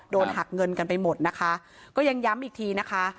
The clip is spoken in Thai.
โดนหักเงินกันไปหมดนะคะก็ยังย้ำอีกทีนะคะ